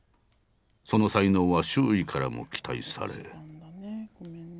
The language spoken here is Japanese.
その才能は周囲からも期待され。